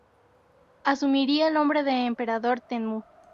Asumiría el nombre de Emperador Tenmu.